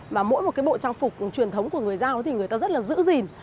mà mỗi một cái bộ trang phục truyền thống của người giao thì người ta rất là dữ dìn